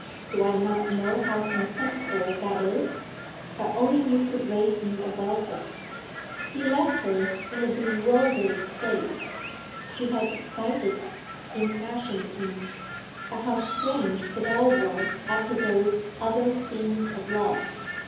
Do I not know how contemptible that is? But only you could raise me above it.' He left her, in a bewildered state; she had excited, impassioned him; but how strange it all was after those other scenes of love!